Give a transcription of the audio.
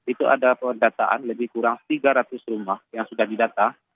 itu ada pendataan lebih kurang tiga ratus rumah yang sudah didata